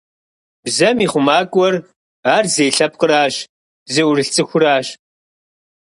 Бзэм и хъумакӀуэр ар зей лъэпкъыращ, зыӀурылъ цӀыхуращ.